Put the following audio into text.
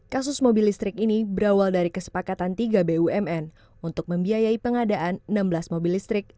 kasus mobil listrik ini berawal dari kesepakatan tiga bumn untuk membiayai pengadaan enam belas mobil listrik